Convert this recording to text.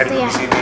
bisa duduk disini